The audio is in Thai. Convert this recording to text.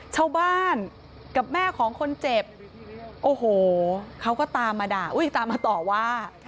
ชาวบ้านกับแม่ของคนเจ็บโอ้โหเขาก็ตามมาด่าอุ้ยตามมาต่อว่า